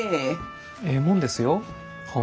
ええもんですよ本。